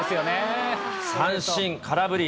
三振、空振り。